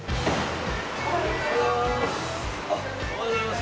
おはようございます！